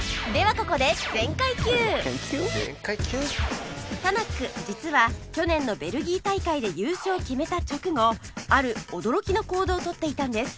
ここでタナック実は去年のベルギー大会で優勝を決めた直後ある驚きの行動を取っていたんです